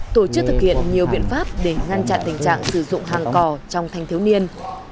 tổ chức thực hiện nhiều biện pháp để ngăn chặn tình trạng sử dụng hàng cò trong thanh thiếu niên